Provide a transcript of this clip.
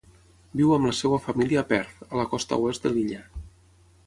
Viu amb la seva família a Perth, a la costa oest de l'illa.